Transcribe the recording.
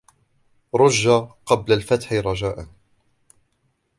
رجّ قبل الفتح رجاءً.